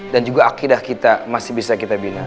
dan juga akidah kita masih bisa kita bina